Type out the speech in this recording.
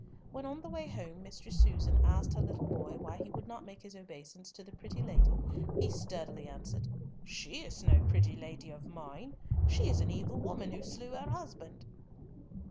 When on the way home Mistress Susan asked her little boy why he would not make his obeisance to the pretty lady, he sturdily answered, "She is no pretty lady of mine. She is an evil woman who slew her husband."